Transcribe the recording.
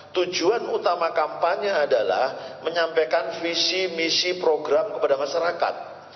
tujuan utama kampanye adalah menyampaikan visi misi program kepada masyarakat